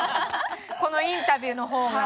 このインタビューの方が。